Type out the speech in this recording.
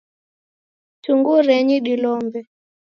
Tungurenyi dilombe.